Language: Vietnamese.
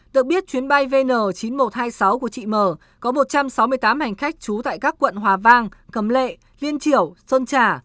được biết chuyến bay vn chín nghìn một trăm hai mươi sáu của chị mở có một trăm sáu mươi tám hành khách trú tại các quận hòa vang cấm lệ liên triểu sơn trà